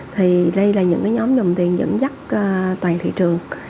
thì đây là những cái nhóm dùng tiền dẫn dắt toàn thị trường